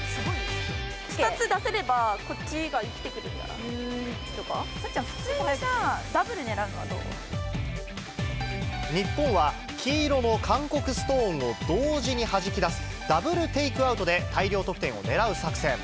２つ出せれば、こっちが生きさっちゃん、普通にさぁ、日本は、黄色の韓国ストーンを同時にはじき出す、ダブルテイクアウトで大量得点を狙う作戦。